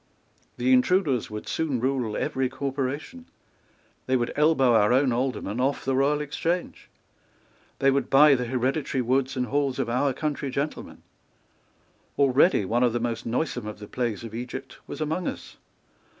The intruders would soon rule every corporation. They would elbow our own Aldermen off the Royal Exchange. They would buy the hereditary woods and halls of our country gentlemen. Already one of the most noisome of the plagues of Egypt was among us.